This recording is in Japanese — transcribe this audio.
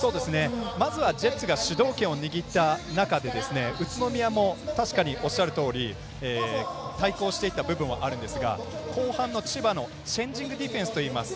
まずはジェッツが主導権を握った中で宇都宮も確かにおっしゃるとおり対抗していった部分はあるんですが後半の千葉のチェンジングディフェンスといいます。